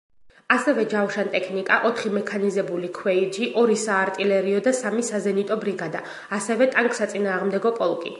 ასევე ჯავშანტექნიკა, ოთხი მექანიზირებული ქვეითი, ორი საარტილერიო და სამი საზენიტო ბრიგადა, ასევე ტანკსაწინააღმდეგო პოლკი.